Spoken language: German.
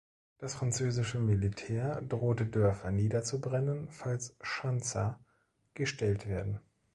Das französische Militär drohte Dörfer niederzubrennen, falls „Schanzer“ gestellt werden.